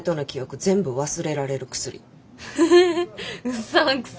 うさんくせ！